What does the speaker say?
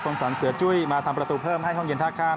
งสรรเสือจุ้ยมาทำประตูเพิ่มให้ห้องเย็นท่าข้าม